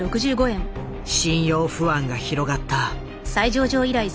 信用不安が広がった。